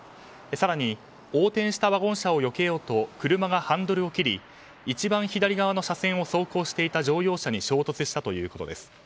更に、横転したワゴン車をよけようと車がハンドルを切り一番左側の車線を走行していた乗用車に衝突したということです。